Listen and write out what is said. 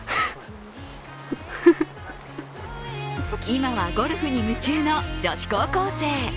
今はゴルフに夢中の女子高校生。